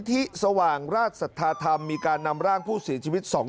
ที่สว่างราชสัทธาธรรมมีการนำร่างผู้เสียชีวิตสองคน